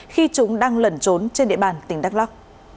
khi chúng đang lẩn trốn trên địa bàn tỉnh đắk lắc